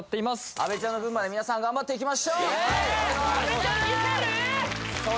阿部ちゃんの分まで皆さん頑張っていきましょう阿部ちゃん見てる？